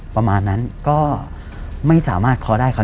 ประมาณนั้นก็ไม่สามารถคอได้ครับ